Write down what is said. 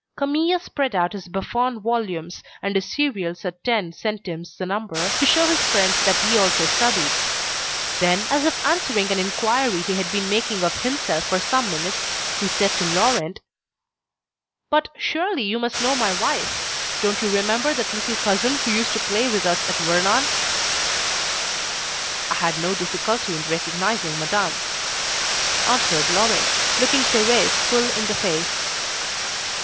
Camille spread out his Buffon volumes, and his serials at 10 centimes the number, to show his friend that he also studied. Then, as if answering an inquiry he had been making of himself for some minutes, he said to Laurent: "But, surely you must know my wife? Don't you remember that little cousin who used to play with us at Vernon?" "I had no difficulty in recognising Madame," answered Laurent, looking Thérèse full in the face.